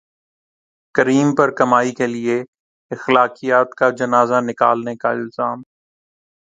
کریم پر کمائی کے لیے اخلاقیات کا جنازہ نکالنے کا الزام